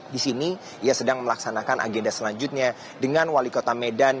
di sini ia sedang melaksanakan agenda selanjutnya dengan wali kota medan